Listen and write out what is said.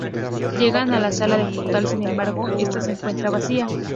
Llegan a la Sala del Portal, sin embargo esta se encuentra vacía.